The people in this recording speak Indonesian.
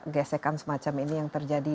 gesekan semacam ini yang terjadi